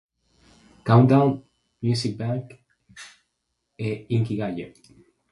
Countdown", "Music Bank", e "Inkigayo".